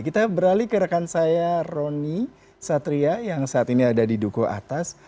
kita beralih ke rekan saya roni satria yang saat ini ada di duku atas